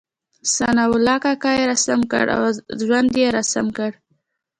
ثناء الله کاکا يې رسم کړی او ژوند یې انځور کړی.